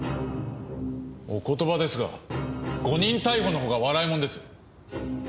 お言葉ですが誤認逮捕の方が笑い者です。